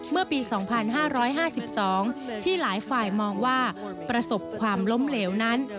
เมื่อปี๒๕๕๒ที่หลายฝ่ายมองว่าประสบความล้มเหลวนั้น